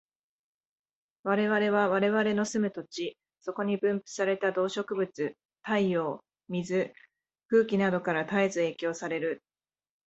我々は我々の住む土地、そこに分布された動植物、太陽、水、空気等から絶えず影響される。